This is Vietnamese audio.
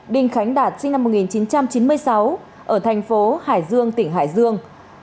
đinh khánh đạt sinh năm một nghìn chín trăm chín mươi sáu ở thành phố hải dương tỉnh hải dương